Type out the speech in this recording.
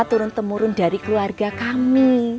turun temurun dari keluarga kami